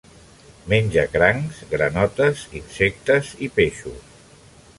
Menja crancs, granotes, insectes i peixos.